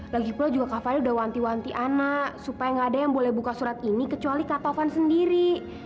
lagipula juga kak fadil udah wanti wanti ana supaya gak ada yang boleh buka surat ini kecuali kak tovan sendiri